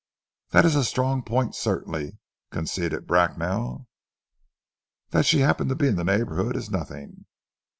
"That is a strong point certainly," conceded Bracknell. "That she happened to be in the neighbourhood is nothing.